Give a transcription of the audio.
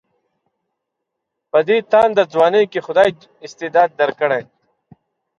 په دې تانده ځوانۍ کې خدای استعداد درکړی.